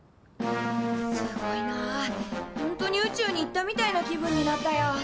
すごいな本当に宇宙に行ったみたいな気分になったよ。